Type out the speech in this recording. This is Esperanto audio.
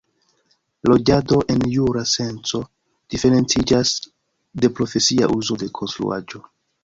Loĝado en jura senco diferenciĝas de profesia uzo de konstruaĵo.